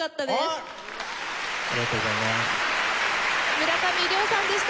村上亮さんでした。